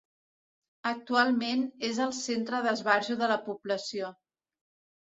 Actualment és el centre d'esbarjo de la població.